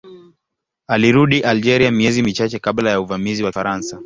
Alirudi Algeria miezi michache kabla ya uvamizi wa Kifaransa.